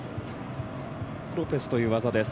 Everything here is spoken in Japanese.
ロペスという技です。